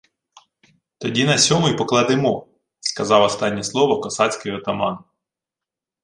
— Тоді на сьому й покладемо! — сказав останнє слово косацький отаман.